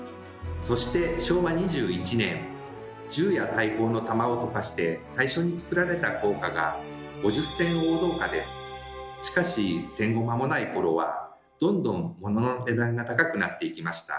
そして昭和２１年銃や大砲の弾を溶かして最初につくられた硬貨がしかし戦後間もない頃はどんどんものの値段が高くなっていきました。